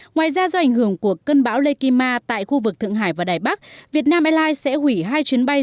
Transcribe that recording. ngoài ra do ảnh hưởng của cơn bão lekima tại khu vực thượng hải và đài bắc việt nam airlines sẽ hủy hai chuyến bay